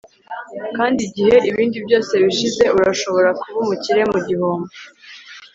kandi igihe ibindi byose bishize, urashobora kuba umukire mu gihombo